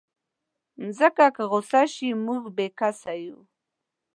مځکه که غوسه شي، موږ بېکسه یو.